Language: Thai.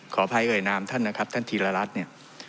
ขออภัยเอ่ยนามท่านนะครับท่านธีรรัฐเนี่ย